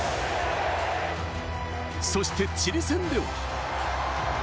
そして、チリ戦では。